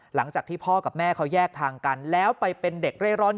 หลังจากที่พ่อกับแม่เขาแยกทางกันแล้วไปเป็นเด็กเร่ร่อน